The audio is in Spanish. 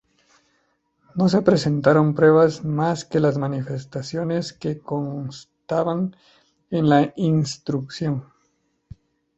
No se presentaron pruebas más que las manifestaciones que constaban en la instrucción.